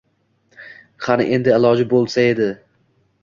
Qani endi iloji bo’lsa edi.